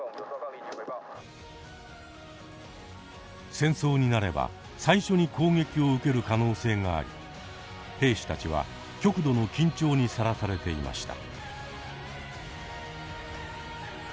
戦争になれば最初に攻撃を受ける可能性があり兵士たちは極度の緊張にさらされていました。